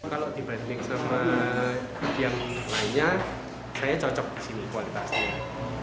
kalau dibanding sama yang lainnya saya cocok di sini kualitasnya